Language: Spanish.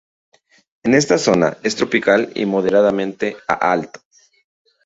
En esta zona es tropical y moderadamente a alto.